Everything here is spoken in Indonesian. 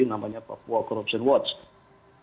namanya papua corruption watch